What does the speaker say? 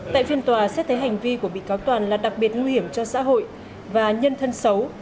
tại phiên tòa xét thấy hành vi của bị cáo toàn là đặc biệt nguy hiểm cho xã hội và nhân thân xấu